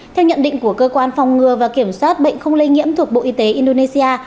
theo nhận định của cơ quan phòng ngừa và kiểm soát bệnh không lây nhiễm thuộc bộ y tế indonesia